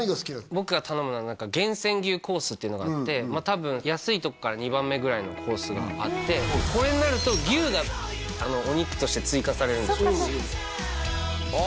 僕が頼むのは厳選牛コースっていうのがあってまあ多分安いとこから２番目ぐらいのコースがあってこれになると牛がお肉として追加されるんですあ